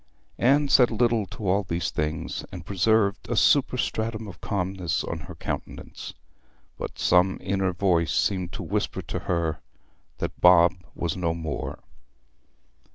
Anne said little to all these things, and preserved a superstratum of calmness on her countenance; but some inner voice seemed to whisper to her that Bob was no more.